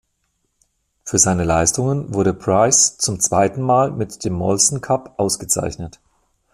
Für seine Leistungen wurde Price zum zweiten Mal mit dem "Molson Cup" ausgezeichnet.